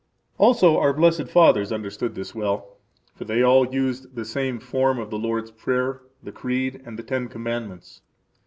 Also our blessed fathers understood this well; for they all used the same form of the Lord's Prayer, the Creed, and the Ten Commandments.